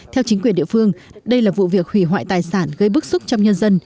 theo chính quyền địa phương đây là vụ việc hủy hoại tài sản gây bức xúc trong nhân dân